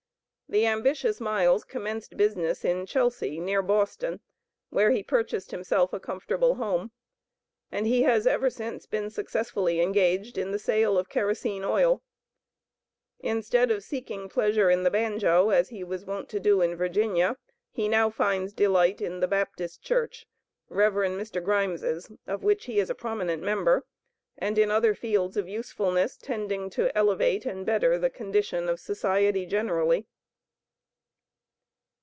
The ambitious Miles commenced business in Chelsea, near Boston, where he purchased himself a comfortable home; and he has ever since been successfully engaged in the sale of kerosene oil. Instead of seeking pleasure in the banjo, as he was wont to do in Virginia, he now finds delight in the Baptist Church, Rev. Mr. Grimes', of which he is a prominent member, and in other fields of usefulness tending to elevate and better the condition of society generally.